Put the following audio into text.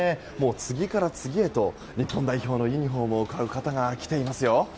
次から次へと日本代表のユニホームを買う方が来ていますよ。